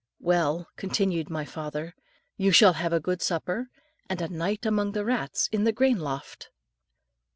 "Well," continued my father, "you shall have a good supper, and a night among the rats in the grain loft."